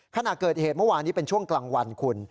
ขณะเกิดเหตุเมื่อวานนี้เป็นช่วงกลางวันคุณ